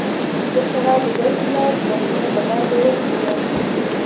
د شرابو یوه ګیلاس زما ژوند له مرګ وژغوره